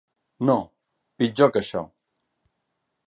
No, pitjor que això.